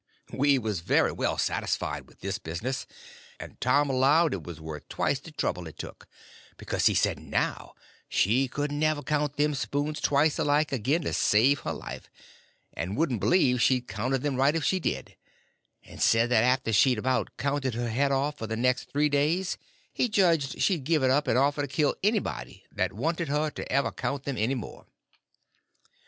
We was very well satisfied with this business, and Tom allowed it was worth twice the trouble it took, because he said now she couldn't ever count them spoons twice alike again to save her life; and wouldn't believe she'd counted them right if she did; and said that after she'd about counted her head off for the next three days he judged she'd give it up and offer to kill anybody that wanted her to ever count them any more.